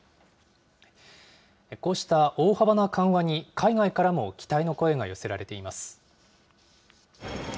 こうした大幅な緩和に、海外からも期待の声が寄せられています。